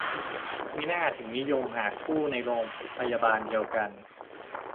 มิน่าถึงนิยมหาคู่ในโรงพยาบาลเดียวกัน